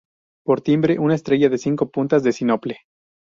Por timbre, una estrella de cinco puntas de sinople.